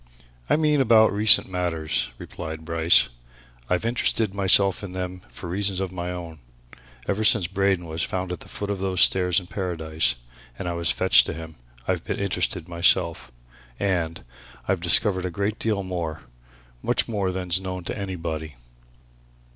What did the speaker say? "I mean about recent matters," replied Bryce. "I've interested myself in them for reasons of my own. Ever since Braden was found at the foot of those stairs in Paradise, and I was fetched to him, I've interested myself. And I've discovered a great deal more, much more than's known to anybody."